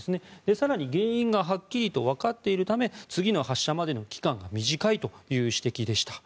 更に、原因がはっきりとわかっているため次の発射までの期間が短いという指摘でした。